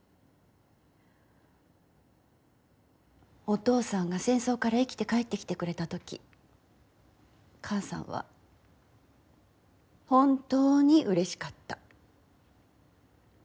お父さんが戦争から生きて帰ってきてくれた時母さんは本当にうれしかった。